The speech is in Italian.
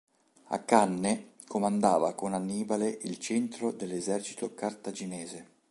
A Canne comandava con Annibale il centro dell'esercito cartaginese.